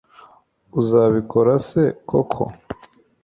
uzabikora se koko